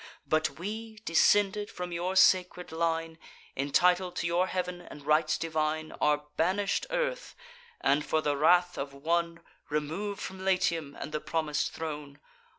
But we, descended from your sacred line, Entitled to your heav'n and rites divine, Are banish'd earth; and, for the wrath of one, Remov'd from Latium and the promis'd throne.